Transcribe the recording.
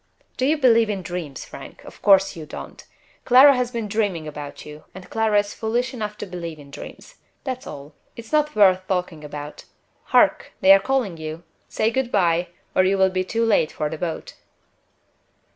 "Do you believe in dreams, Frank? Of course you don't! Clara has been dreaming about you; and Clara is foolish enough to believe in dreams. That's all it's not worth talking about. Hark! they are calling you. Say good by, or you will be too late for the boat."